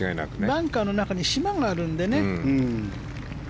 バンカーの中に島があるのでね。